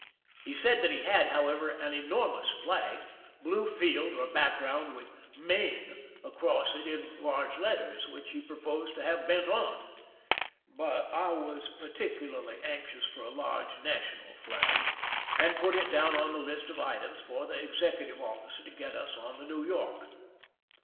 He said that he had, however, an enormous flag, blue field, or background, with " Maine " aero ss it in large letters, which he pro posed to have bent on. But I was particularly anxious for a large national flag, and put it down on the list of litems for the executive officer to get us on the New York.